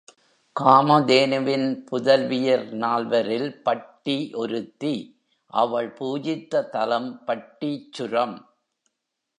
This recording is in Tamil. காமதேனுவின் புதல்வியர் நால்வரில் பட்டி ஒருத்தி, அவள் பூஜித்த தலம் பட்டீச்சுரம்.